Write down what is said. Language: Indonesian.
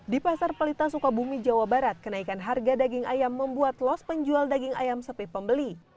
di pasar pelita sukabumi jawa barat kenaikan harga daging ayam membuat los penjual daging ayam sepi pembeli